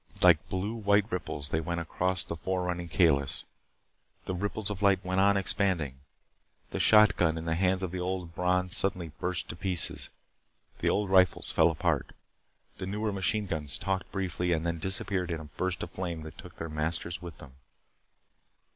Like blue white ripples they went across the fore running Kalis. The ripples of light went on expanding. The shotgun in the hands of the old Bron suddenly burst to pieces. The old rifles fell apart. The newer machine guns talked briefly, and then disappeared in a burst of flame that took their masters with them.